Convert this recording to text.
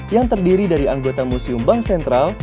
yang terdiri dari anggota museum bank sentral